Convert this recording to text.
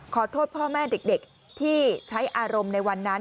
ขอโทษพ่อแม่เด็กที่ใช้อารมณ์ในวันนั้น